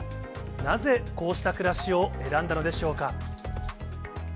なぜこうした暮らしを選んだのでしょうか。